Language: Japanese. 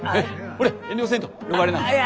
ほれ遠慮せんと飲まれなはれ。